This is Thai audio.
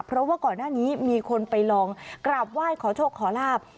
เพราะว่าก่อนหน้านี้มีคนไปลองกราบไหว้ขอโชคขอลาบ